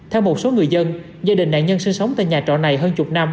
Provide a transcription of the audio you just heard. theo một số người dân gia đình nạn nhân sinh sống tại nhà trọ này hơn chục năm